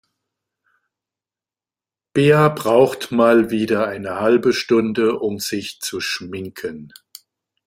Bea braucht mal wieder eine halbe Stunde, um sich zu schminken.